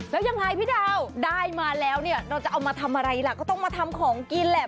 แล้วยังไงพี่ดาวได้มาแล้วเนี่ยเราจะเอามาทำอะไรล่ะก็ต้องมาทำของกินแหละ